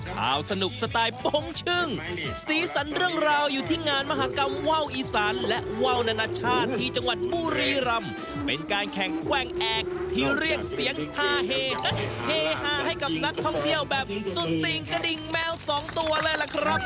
หาเฮฮ่าให้กับนักท่องเที่ยวแบบสูตรสวิ่งกระดิ่งแมวสองตัวเลยล่ะครับ